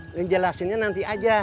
ngejelasinnya nanti aja